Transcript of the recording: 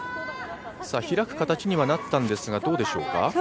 開く形にはなったんですが、どうでしょうか。